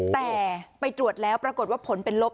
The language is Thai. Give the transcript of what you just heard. แต่ไปตรวจแล้วปรากฏว่าผลเป็นลบ